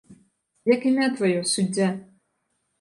Як імя тваё, суддзя?